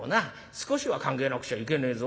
少しは考えなくちゃいけねえぞ。